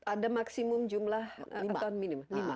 ada maksimum jumlah atau minim